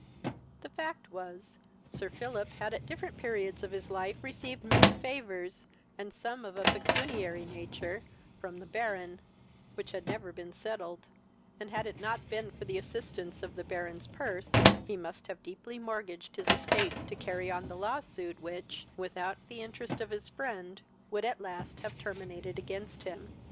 The fact was, Sir Philip had at different periods of his life received many favours, and some of a pecuniary nature, from the Baron, which had never been settled, and had it not been for the assistance of the Baron's purse, he must have deeply mortgaged his estates to carry on the law suit, which, without the interest of his friend, would at last have terminated against him.